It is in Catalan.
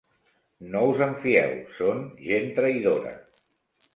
No us en fieu: són gent traïdora.